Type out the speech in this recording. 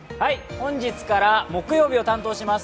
本日から木曜日を担当します